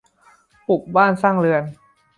ปลูกบ้านสร้างเรือน